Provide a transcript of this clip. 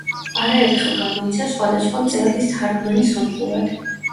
არაერთხელ გამოიცა სხვადასხვა მწერლის თარგმანი სომხურად.